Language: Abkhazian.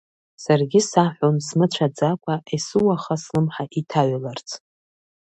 Саргьы саҳәон смыцәаӡакәа, есыуаха слымҳа иҭаҩларц!